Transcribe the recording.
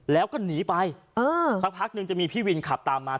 แล้วก็หนีไปเออสักพักนึงจะมีพี่วินขับตามมา